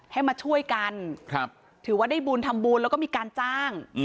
ให้มาช่วยกันถือว่าได้บุญทำบุญแล้วก็มีการจ้าง